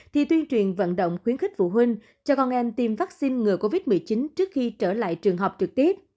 thì tuyên truyền vận động khuyến khích phụ huynh cho con em tiêm vaccine ngừa covid một mươi chín trước khi trở lại trường học trực tiếp